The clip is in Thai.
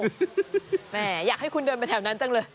แม่อยากให้คุณเดินไปแถวนั้นจังเลย